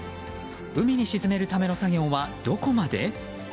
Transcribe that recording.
海に沈めるための作業はどこまで。